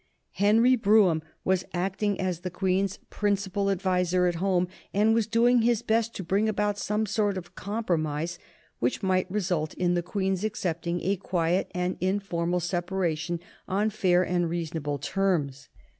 Henry Brougham was acting as the Queen's principal adviser at home, and was doing his best to bring about some sort of compromise which might result in the Queen's accepting a quiet and informal separation on fair and reasonable terms.